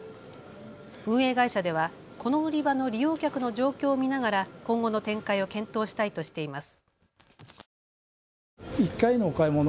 運営会社ではこの売り場の利用客の状況を見ながら今後の展開を検討したいとしています。